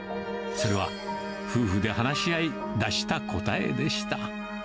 それは夫婦で話し合い、出した答えでした。